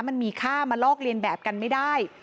มันมีค่ามาลอกเลียนแบบกันไม่ได้